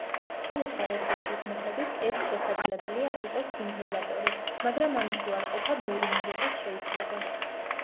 სხვადასხვა რესურსის მიხედვით, ეს შესაძლებელია იყოს სინთეზატორი, მაგრამ ამის უარყოფა ბევრი მიზეზით შეიძლება.